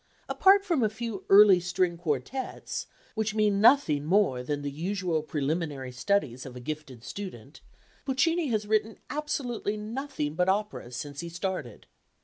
Apart from a few early string quartets, which mean nothing more than the usual preliminary studies of a gifted student, Puccini has written absolutely nothing but operas since he started.